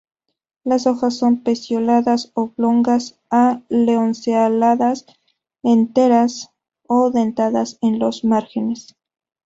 Las hojas son pecioladas, oblongas a lanceoladas, enteras o dentadas en los márgenes.